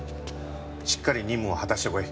しっかり任務を果たしてこい。